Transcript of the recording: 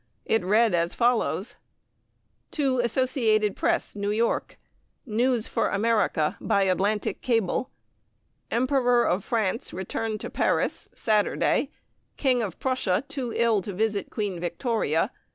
It read as follows: To Associated Press, New York. News for America by Atlantic cable: Emperor of France returned to Paris, Saturday. King of Prussia too ill to visit Queen Victoria.